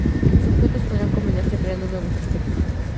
Los objetos podrán combinarse creando nuevos objetos.